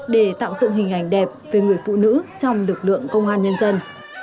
để tạo dựng hình ảnh đẹp về người phụ nữ trong lực lượng công an nhân dân